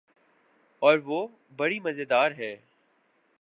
اوروہ بڑی مزیدار ہے۔